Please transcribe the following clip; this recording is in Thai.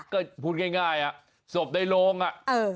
ก็พูดง่ายง่ายอ่ะศพในโรงอ่ะเออ